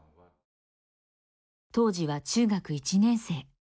当時は中学１年生。